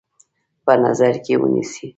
په نظر کې ونیسي.